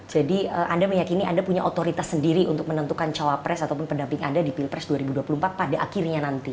jadi anda meyakini anda punya otoritas sendiri untuk menentukan cawa pres ataupun pendamping anda di pilpres dua ribu dua puluh empat pada akhirnya nanti